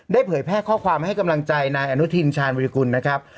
เผยแพร่ข้อความให้กำลังใจนายอนุทินชาญวิริกุลนะครับ